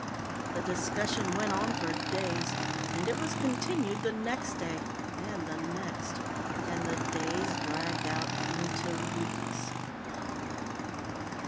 The discussion went on for days. And it was continued the next day and the next. And the days dragged out into weeks.